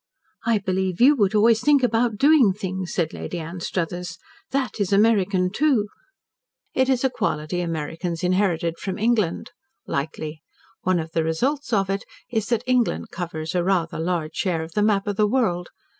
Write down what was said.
"I believe you would always think about DOING things," said Lady Anstruthers. "That is American, too." "It is a quality Americans inherited from England," lightly; "one of the results of it is that England covers a rather large share of the map of the world.